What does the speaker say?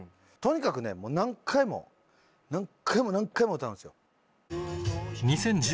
とにかく何回も何回も何回も歌うんですよ。